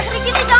sering gini jangan